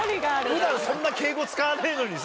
普段そんな敬語使わねえのにさ。